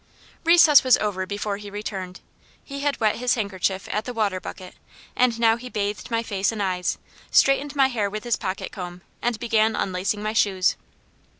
Recess was over before he returned. He had wet his handkerchief at the water bucket, and now he bathed my face and eyes, straightened my hair with his pocket comb, and began unlacing my shoes.